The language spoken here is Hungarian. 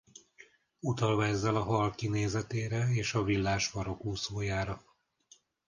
Utalva ezzel a hal kinézetére és a villás farokúszójára.